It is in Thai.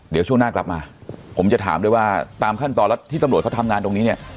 เดี๋ยวช่วงหน้ากลับมาผมจะถามด้วยว่าตามขั้นตอนแล้วที่ตำรวจเขาทำงานตรงนี้เนี่ย